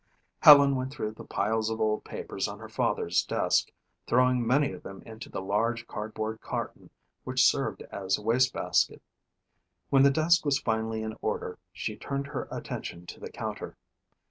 Helen went through the piles of old papers on her father's desk, throwing many of them into the large cardboard carton which served as a wastebasket. When the desk was finally in order, she turned her attention to the counter.